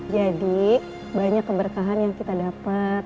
jadi banyak keberkahan yang kita dapat